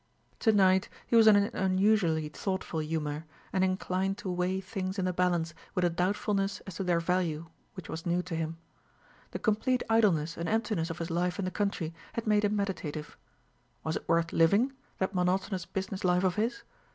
To night he was in an unusually thoughtful humour, and inclined to weigh things in the balance with a doubtfulness as to their value which was new to him. The complete idleness and emptiness of his life in the country had made him meditative. Was it worth living, that monotonous business life of his?